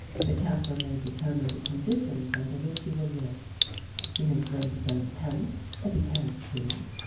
The camper may determine the conditions under which he will live. He may bring his own tent, if he cares to.